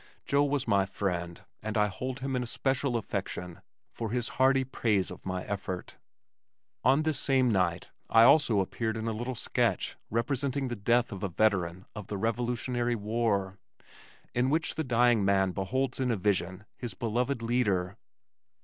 Joe was my friend, and I hold him in especial affection for his hearty praise of my effort. On this same night I also appeared in a little sketch representing the death of a veteran of the Revolutionary War, in which the dying man beholds in a vision his beloved Leader.